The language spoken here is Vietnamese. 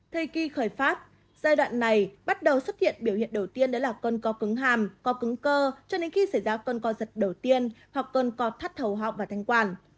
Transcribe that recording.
thời kỳ khởi phát giai đoạn này bắt đầu xuất hiện biểu hiện đầu tiên đó là cơn co cứng hàm co cứng cơ cho đến khi xảy ra cơn co giật đầu tiên hoặc cơn co thắt thầu họng và thanh quản